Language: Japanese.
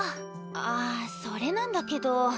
ああそれなんだけど。